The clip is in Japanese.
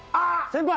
先輩！